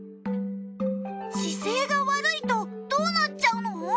姿勢が悪いとどうなっちゃうの？